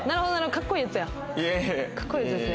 かっこいいやつですね。